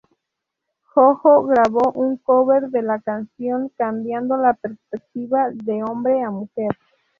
JoJo grabó un cover de la canción, cambiando la perspectiva de hombre a mujer.